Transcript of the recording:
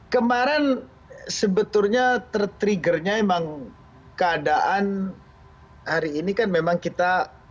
kemarin sebetulnya tertriggernya emang keadaan hari ini kan memang kita